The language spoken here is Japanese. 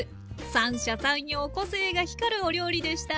三者三様個性が光るお料理でした！